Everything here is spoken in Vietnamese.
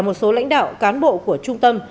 một số lãnh đạo cán bộ của trung tâm